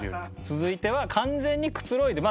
続いては完全にくつろいで。